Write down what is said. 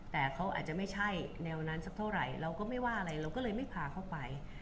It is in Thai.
แต่เขาอาจจะไม่ใช่แนวนั้นสักเท่าไหร่เราก็ไม่ว่าอะไรเราก็เลยไม่พาเขาไป